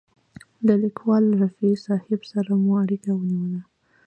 له لیکوال رفیع صاحب سره مو اړیکه ونیوله.